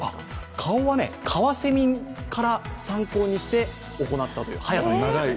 顔はカワセミから参考にして行ったと。